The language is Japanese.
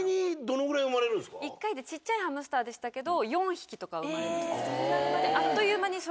１回でちっちゃいハムスターでしたけど。